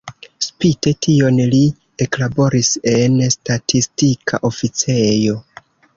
Spite tion li eklaboris en statistika oficejo.